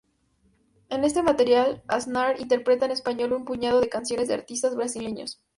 En este material, Aznar interpreta en español un puñado de canciones de artistas brasileños.